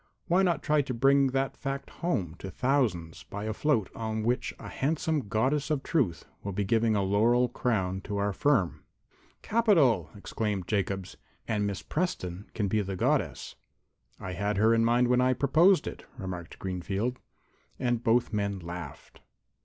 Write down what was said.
"Why not try to bring that fact home to thousands by a float on which a handsome Goddess of Truth will be giving a laurel crown to our firm?" "Capital!" exclaimed Jacobs. "And Miss Preston can be the Goddess." "I had her in mind when I proposed it," remarked Greenfield. And both men laughed.